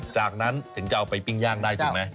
จากนั้นถึงจะเอาไปปิ้งย่างได้ถูกไหม